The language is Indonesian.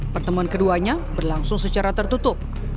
pertemuan keduanya berlangsung secara tertutup